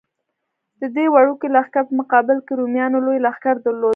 د دې وړوکي لښکر په مقابل کې رومیانو لوی لښکر درلود.